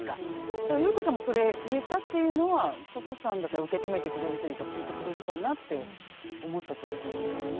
だからゆうこさんもそれ言えたっていうのはととさんだったら受け止めてくれるというか聞いてくれるかなって思ったってことなんですかね。